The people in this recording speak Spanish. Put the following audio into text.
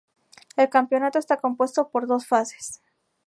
El campeonato está compuesto por dos fases.